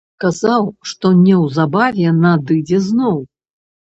Казаў, што неўзабаве надыдзе зноў.